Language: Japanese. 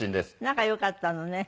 仲良かったのね。